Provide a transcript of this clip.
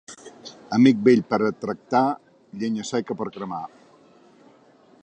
Amic vell per a tractar, llenya seca per cremar.